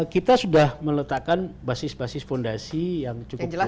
kita sudah meletakkan basis basis fondasi yang cukup bagus